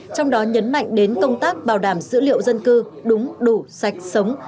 trong đó nhấn mạnh đến công tác bảo đảm dữ liệu dân cư đúng đủ sạch sống